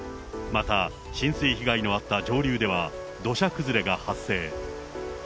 また、浸水被害のあった上流では、土砂崩れが発生。